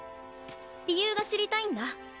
理由が知りたいんだ。